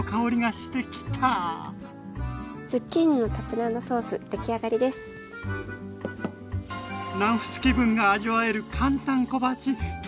南仏気分が味わえる簡単小鉢トレビアーン！